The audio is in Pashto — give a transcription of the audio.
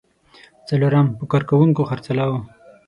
څلورم: په کارکوونکو خرڅلاو.